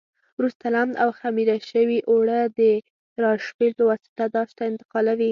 وروسته لمد او خمېره شوي اوړه د راشپېل په واسطه داش ته انتقالوي.